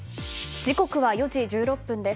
時刻は４時１６分です。